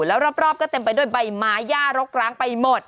แล้วรอบก็เต็มไปด้วยใบไม้ย่ารกร้างไปหมด